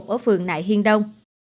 ở phường nại hiên đông